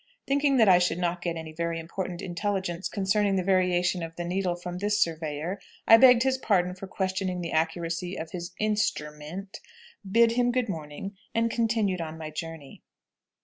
Thinking that I should not get any very important intelligence concerning the variation of the needle from this surveyor, I begged his pardon for questioning the accuracy of his instru ment, bid him good morning, and continued on my journey.